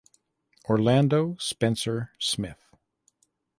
Orlando Spencer Smith.